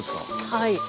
はい。